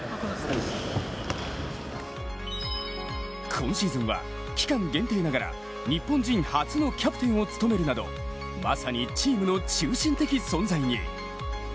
今シーズンは期間限定ながら日本人初のキャプテンを務めるなど、まさにチームの中心的存在に。